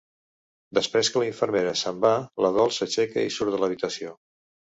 Després que la infermera se'n va la Dols s'aixeca i surt de l'habitació.